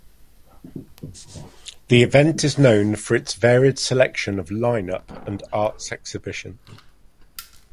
The event is known for its varied selection of lineup and arts exhibition.